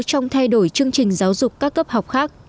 trong thay đổi chương trình giáo dục các cấp học khác